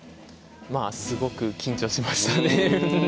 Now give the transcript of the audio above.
まあすごく緊張しましたね。